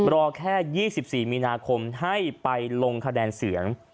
รอแค่๒๔มีนาคมให้ไปลงคะแนนเสียง